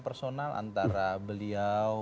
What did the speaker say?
personal antara beliau